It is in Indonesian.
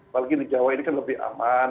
apalagi di jawa ini kan lebih aman